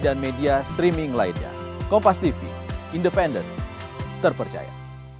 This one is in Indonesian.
saya karis manenggias pamit undur diri see ya